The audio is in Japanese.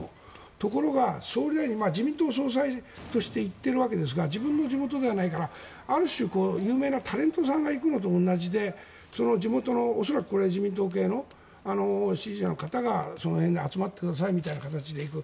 ところが、自民党総裁として行っているわけですが自分の地元ではないからある種、有名なタレントさんが行くのと同じで地元の恐らく自民党系の支持者の方が集まってくださいみたいな感じで行く。